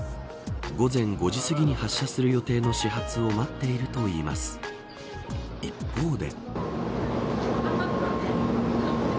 午前５時すぎに発車する予定の始発を待っているといいます一方で。